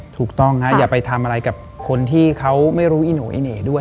ถูกต้องฮะอย่าไปทำอะไรกับคนที่เขาไม่รู้อีโน่อีเหน่ด้วย